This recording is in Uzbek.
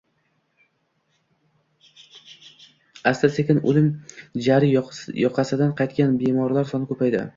Asta-sekin o‘lim jari yoqasidan qaytgan bemorlar soni ko‘paydi